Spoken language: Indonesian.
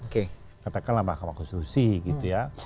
katakanlah mahkamah konstitusi gitu ya